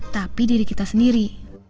tapi diri kita sendiri